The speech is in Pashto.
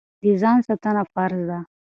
د ځان ساتنه فرض ده.